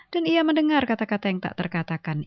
dan ia mendengar kata kata yang tak terkatakan